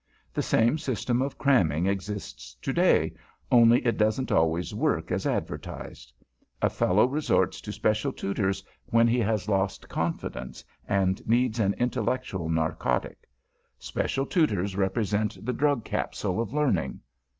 The same system of cramming exists today; only it doesn't always work as advertised. A fellow resorts to special tutors when he has lost confidence, and needs an intellectual narcotic. Special tutors represent the drug capsule of learning.